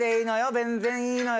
全然いいのよ